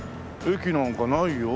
駅なんかないよ？